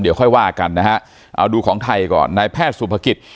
เดี๋ยวค่อยว่ากันนะฮะเอาดูของไทยก่อนนายแพทย์สุภกิจ